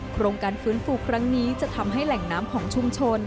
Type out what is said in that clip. โครงการฟื้นฟูครั้งนี้จะทำให้แหล่งน้ำของชุมชน